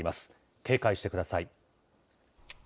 警戒してください。